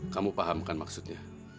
kamu paham kan maksudnya